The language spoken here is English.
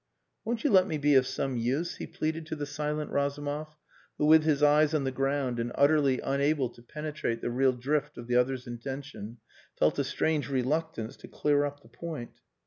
"Won't you let me be of some use?" he pleaded to the silent Razumov, who with his eyes on the ground and utterly unable to penetrate the real drift of the other's intention, felt a strange reluctance to clear up the point.